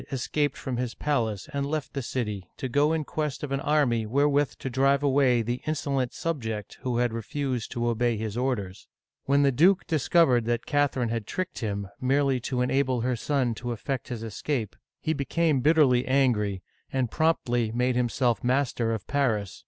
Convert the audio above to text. escaped from his palace and left the city to go in quest of an army wherewith to drive away the insolent sub lect who had refused to obey his orders. When the duke Digitized by VjOOQIC HENRY III. (1574 1589) 275 discovered that Catherine had tricked him, merely to en able her son to effect his escape, he became bitterly angry, and promptly made himself master of Paris.